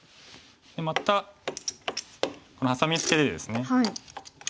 またこのハサミツケでですね。